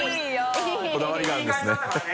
こだわりがあるんですね。